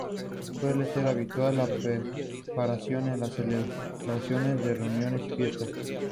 Suele ser habitual la preparación en las celebraciones de reuniones y fiestas.